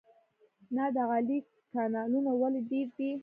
نادعلي کانالونه ولې ډیر دي؟